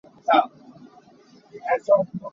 Ca a thiam ko nain a fim lo.